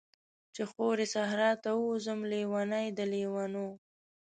چی خوری صحرا ته ووځم، لیونۍ د لیونیو